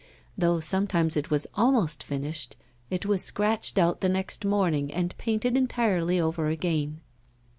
Though sometimes it was almost finished, it was scratched out the next morning and painted entirely over again.